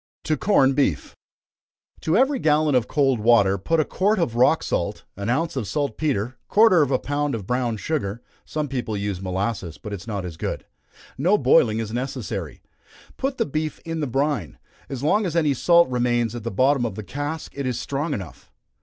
To Corn Beef. To every gallon of cold water, put a quart of rock salt, an ounce of salt petre, quarter of a pound of brown sugar (some people use molasses, but it is not as good) no boiling is necessary. Put the beef in the brine. As long as any salt remains at the bottom of the cask it is strong enough.